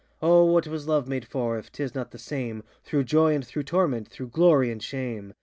Oh! what was love made for, if ŌĆÖtis not the same Through joy and through torment, through glory and shame?